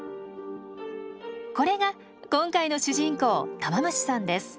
これが今回の主人公タマムシさんです。